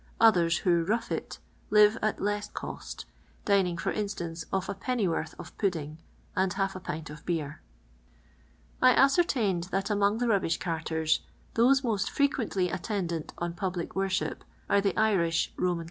Others who "rough it" live at less cost, dining, for instance, off a pennyworth of pudding and half a pint of beer. I ascertained that among tlie rubbish carters, those mostfrtquently atttmlant on ptfUic irorship are thelnikRoitian